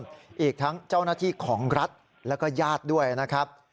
อีกทั้งเจ้าหน้าที่ของรัฐแล้วก็ญาติด้วยนะครับ